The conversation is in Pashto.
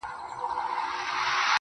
محترم ګوهر وزير بکاخېل